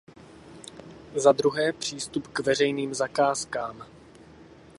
Za druhé, přístup k veřejným zakázkám.